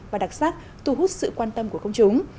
và đặc sắc thu hút sự quan tâm của công chúng